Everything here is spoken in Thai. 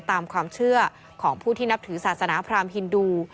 ตามความเชื่อของผู้ที่นับถือศาสนาพรามฮินดู